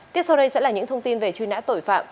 tiếp sau đây sẽ là những thông tin về truy nã tội phạm